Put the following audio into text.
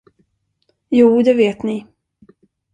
Jo, det vet ni.